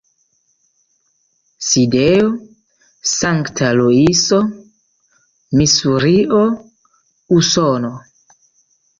Sidejo: Sankta Luiso, Misurio, Usono.